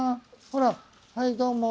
ほらはいどうも。